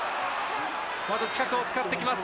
もっと近くを使ってきます。